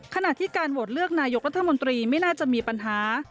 ขณะที่การโหวตเลือกนายกรัฐมนตรีไม่น่าจะมีปัญหา